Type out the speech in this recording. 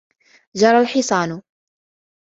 جَرَى الْحِصَانُ.